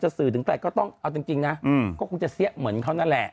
สื่อถึงใครก็ต้องเอาจริงนะก็คงจะเสี้ยเหมือนเขานั่นแหละ